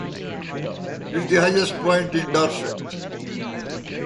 It is the highest point in Dorset.